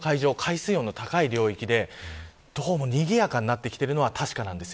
水温の高い領域でにぎやかになってきているのは確かです。